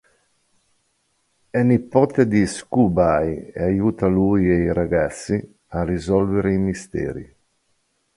È nipote di Scooby e aiuta lui e i ragazzi a risolvere i misteri.